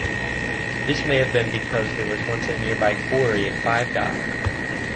This may have been because there was once a nearby quarry in Five Dock.